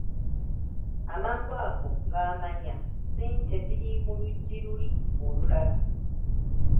Amangu ago ng'amanya ssente ziri mu luggi luli olulala.